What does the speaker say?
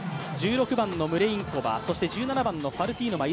１６番のムレインコバそして１７番のファルティーノバ。